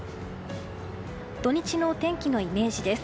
土日の天気のイメージです。